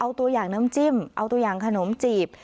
เอาตัวอย่างน้ำจิ้มเอาตัวอย่างขนมจีบ